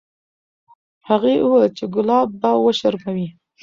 هغې وویل چې ګلاب به وشرموي.